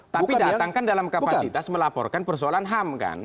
tapi datang kan dalam kapasitas melaporkan persoalan ham kan